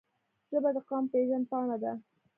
ژبه د قوم پېژند پاڼه ده